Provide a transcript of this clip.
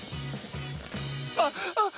あっあっ！